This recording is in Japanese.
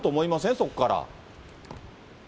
そこから。